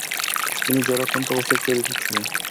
তিনি জ্বরাক্রান্ত অবস্থায় চেরি খাচ্ছিলেন।